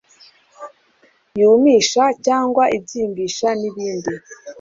yumisha cyangwa ibyimbisha nibindi